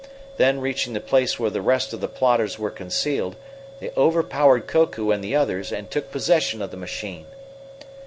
Then, reaching the place where the rest of the plotters were concealed, they overpowered Koku and the others and took possession of the machine."